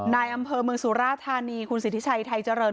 นายอำเภอเมืองสุราธานีคุณสิทธิชัยไทยเจริญ